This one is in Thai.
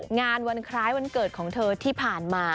งานวันคล้ายวันเกิดของเธอที่ผ่านมา